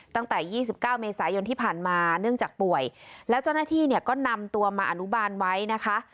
ตั้งแต่๒๙เมษายนที่ผ่านมาเนื่องจากป่วยแล้วเจ้าหน้าที่เนี่ยก็นำตัวมาอนุบาลไว้นะคะ